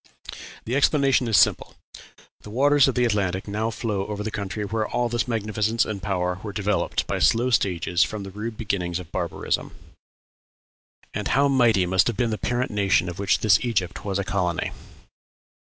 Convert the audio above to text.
The explanation is simple: the waters of the Atlantic now flow over the country where all this magnificence and power were developed by slow stages from the rude beginnings of barbarism. And how mighty must have been the parent nation of which this Egypt was a colony!